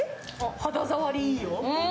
肌触りいいよ。